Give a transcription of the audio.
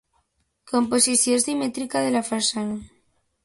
Composició simètrica de la façana.